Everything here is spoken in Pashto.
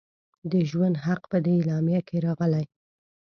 د ژوند حق په دې اعلامیه کې راغلی.